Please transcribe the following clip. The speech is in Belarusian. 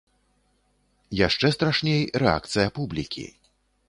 Яшчэ страшней рэакцыя публікі.